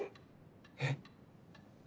えっ？